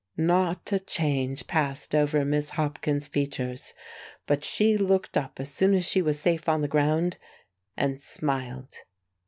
Not a change passed over Miss Hopkins's features; but she looked up as soon as she was safe on the ground, and smiled.